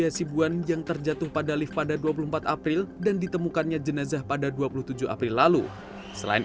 hasibuan yang terjatuh pada lift pada dua puluh empat april dan ditemukannya jenazah pada dua puluh tujuh april lalu selain